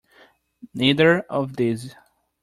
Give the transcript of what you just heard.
Neither of these.